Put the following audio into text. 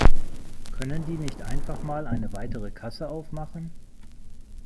Können die nicht einfach mal eine weitere Kasse aufmachen?